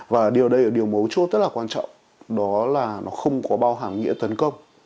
và điều đây là điều mấu chốt rất là quan trọng đó là nó không có bao hàm nghĩa tấn công